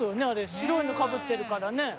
白いのかぶってるからね。